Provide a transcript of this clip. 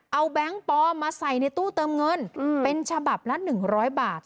เอาแบงก์ปลอมมาใส่ในตู้เติมเงินอืมเป็นฉบับละหนึ่งร้อยบาท